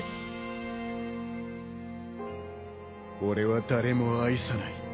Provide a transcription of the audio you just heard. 俺は誰も愛さない。